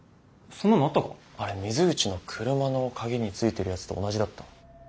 あれ水口の車の鍵についてるやつと同じだった。